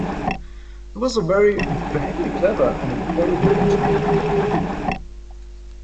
He was very, very clever and a very good engineer.